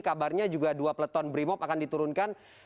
kabarnya juga dua peleton brimop akan diturunkan